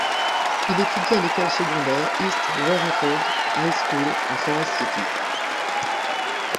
Il étudie à l'école secondaire East Rutherford High School à Forest City.